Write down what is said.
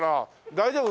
大丈夫？